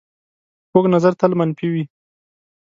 کوږ نظر تل منفي وي